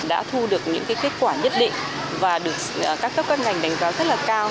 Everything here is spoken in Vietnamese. đã thu được những kết quả nhất định và được các cơ quan ngành đánh giá rất cao